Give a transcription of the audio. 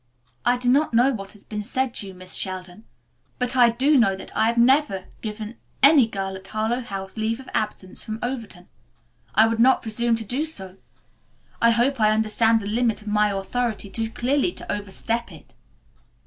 "I do not know what has been said to you, Miss Sheldon, but I do know that I have never given any girl at Harlowe House leave of absence from Overton. I would not presume to do so. I hope I understand the limit of my authority too clearly to overstep it."